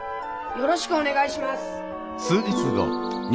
よろしくお願いします。